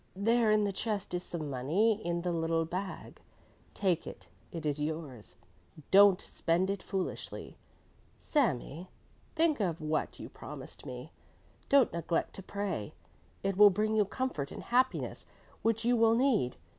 There in the chest is some money in the little bag; take it, it is yours; don't spend it foolishly. Sami, think of what you promised me. Don't neglect to pray, it will bring you comfort and happiness which you will need.